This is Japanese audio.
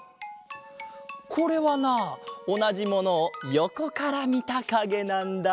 これはなおなじものをよこからみたかげなんだ。